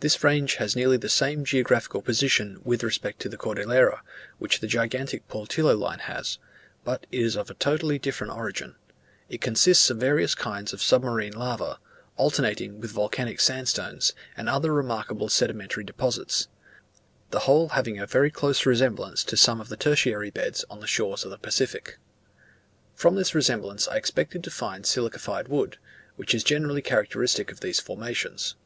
This range has nearly the same geographical position with respect to the Cordillera, which the gigantic Portillo line has, but it is of a totally different origin: it consists of various kinds of submarine lava, alternating with volcanic sandstones and other remarkable sedimentary deposits; the whole having a very close resemblance to some of the tertiary beds on the shores of the Pacific. From this resemblance I expected to find silicified wood, which is generally characteristic of those formations.